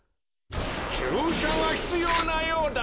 ちゅうしゃがひつようなようだべ！